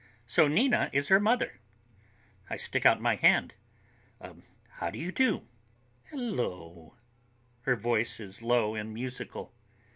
So Nina is her mother. I stick out my hand. "Uh—how do you do?" "Hel looo." Her voice is low and musical.